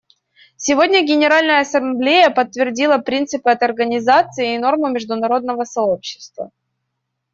Сегодня Генеральная Ассамблея подтвердила принципы этой Организации и нормы международного сообщества.